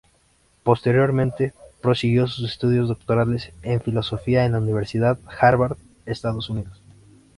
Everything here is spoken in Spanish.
Posteriormente, prosiguió sus estudios doctorales en Filosofía en la Universidad Harvard, Estados Unidos.